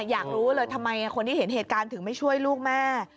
อยากรู้เลยทำไมคนที่เห็นเหตุการณ์ถึงไม่ช่วยลูกแม่